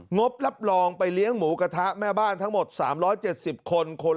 งบรับรองไปเลี้ยงหมูกระทะแม่บ้านทั้งหมด๓๗๐คน